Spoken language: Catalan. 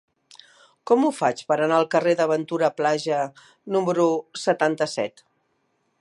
Com ho faig per anar al carrer de Ventura Plaja número setanta-set?